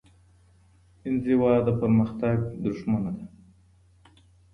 انزوا د پرمختګ دښمنه ده.